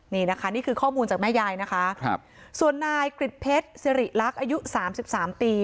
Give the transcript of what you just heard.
นี่คือข้อมูลจากแม่ยายนะคะส่วนนายกริดเพชรศรีรักษ์อายุ๓๓ปี